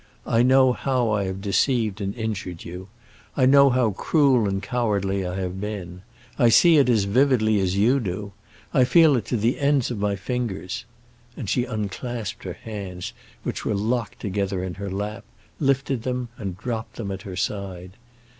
"I know how I have deceived and injured you; I know how cruel and cowardly I have been. I see it as vividly as you do—I feel it to the ends of my fingers." And she unclasped her hands, which were locked together in her lap, lifted them, and dropped them at her side.